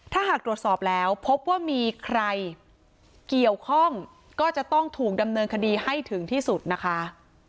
ถ้าหากตรวจสอบแล้วพบว่ามีใครเกี่ยวข้องก็จะต้องถูกดำเนินคดีให้ถึงที่สุดนะคะ